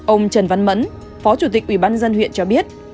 ông trần văn mẫn phó chủ tịch ủy ban dân huyện cho biết